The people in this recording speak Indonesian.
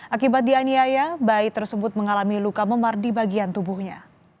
akibat dianiaya bayi tersebut mengalami luka memar di bagian tubuhnya